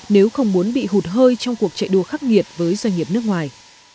nếu không muốn bị hụt hơi trong cuộc chạy đua khắc nghiệt với doanh nghiệp nước ngoài